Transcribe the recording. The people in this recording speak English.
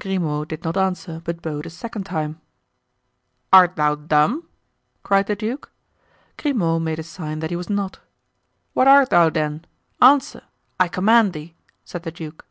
Grimaud did not answer, but bowed a second time. "Art thou dumb?" cried the duke. Grimaud made a sign that he was not. "What art thou, then? Answer! I command thee!" said the duke.